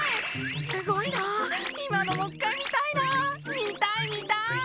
すごいな今のもう一回見たいな見たい見たい！